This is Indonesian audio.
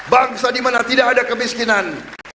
bangsa dimana tidak ada kemiskinan